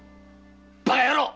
バカ野郎！